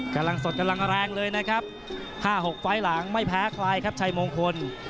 กำลังสดกำลังแรงเลยนะครับ๕๖ไฟล์หลังไม่แพ้ใครครับชัยมงคล